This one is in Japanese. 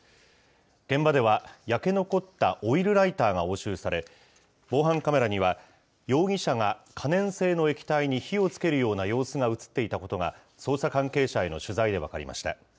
現場では、焼け残ったオイルライターが押収され、防犯カメラには、容疑者が可燃性の液体に火をつけるような様子が写っていたことが、捜査関係者への取材で分かりました。